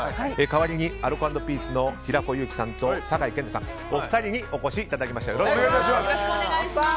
代わりにアルコ＆ピースの平子祐希さんと酒井健太さんのお二人にお越しいただきました。